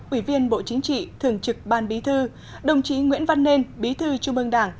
ủy viên bộ chính trị thường trực ban bí thư đồng chí nguyễn văn nên bí thư trung ương đảng